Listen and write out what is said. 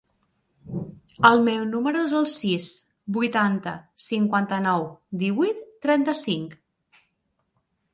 El meu número es el sis, vuitanta, cinquanta-nou, divuit, trenta-cinc.